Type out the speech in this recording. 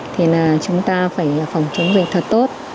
thì là chúng ta phải phòng chống dịch thật tốt